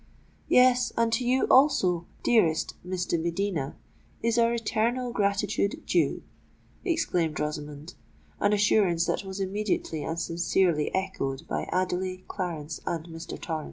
"Yes—and to you also, dearest Miss de Medina, is our eternal gratitude due!" exclaimed Rosamond—an assurance that was immediately and sincerely echoed by Adelais, Clarence, and Mr. Torrens.